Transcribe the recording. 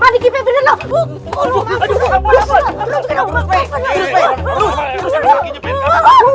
manikipai bener lo